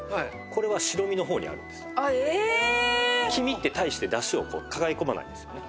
黄身って大して出汁を抱え込まないんですよね。